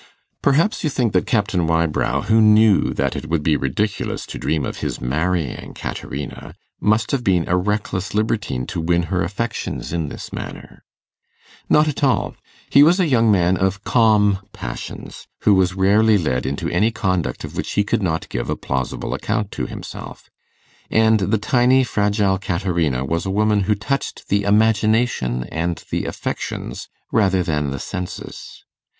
Perhaps you think that Captain Wybrow, who knew that it would be ridiculous to dream of his marrying Caterina, must have been a reckless libertine to win her affections in this manner! Not at all. He was a young man of calm passions, who was rarely led into any conduct of which he could not give a plausible account to himself; and the tiny fragile Caterina was a woman who touched the imagination and the affections rather than the senses.